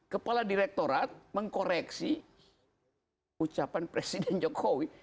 kepala direktorat mengkoreksi ucapan presiden jokowi